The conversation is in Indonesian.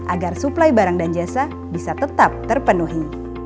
agar suplai barang dan jasa bisa tetap terpenuhi